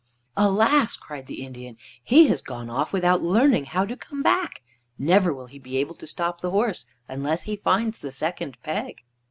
"Alas!" cried the Indian, "he has gone off without learning how to come back. Never will he be able to stop the horse unless he finds the second peg."